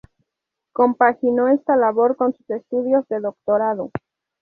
Compaginó esta labor con sus estudios de doctorado.